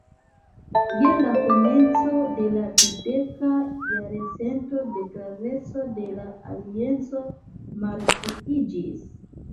Je la komenco de la dudeka jarcento la graveco de la alianco malpliiĝis.